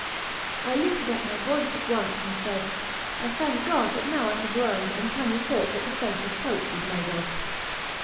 I lifted up my voice at once, and said: "I thank God that now I have learned and can report what the faith of Popes is made of."